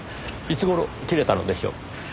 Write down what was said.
いつ頃切れたのでしょう？